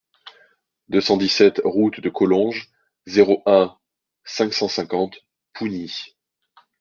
deux cent dix-sept route de Collonges, zéro un, cinq cent cinquante Pougny